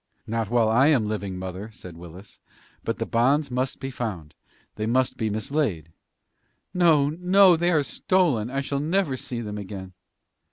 "Not while I am living, mother," said Willis. "But the bonds must be found. They must be mislaid." "No, no! they are stolen. I shall never see them again."